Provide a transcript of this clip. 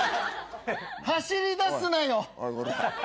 走りだすなよ。